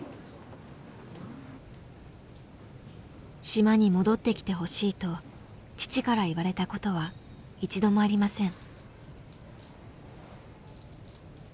島に戻ってきてほしいと父から言われたことは一度もありません。